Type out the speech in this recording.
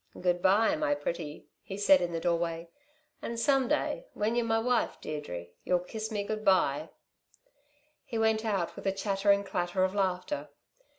"Good bye, my pretty," he said in the doorway. "And someday, when y'r my wife, Deirdre, you'll kiss me good bye." He went out with a chattering clatter of laughter.